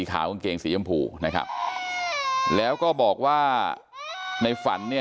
แม่น้องชมพู่แม่น้องชมพู่แม่น้องชมพู่แม่น้องชมพู่